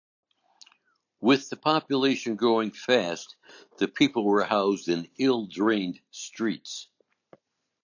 With the population growing fast the people were housed in ill drained streets.